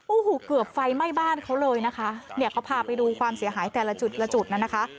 อู้หูเกือบไฟไหม้บ้านเขาเลยนะคะเขาพาไปดูความเสียหายแต่ละจุดนั้นนะคะ